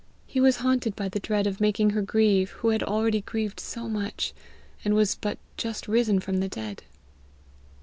He was haunted by the dread of making her grieve who had already grieved so much, and was but just risen from the dead.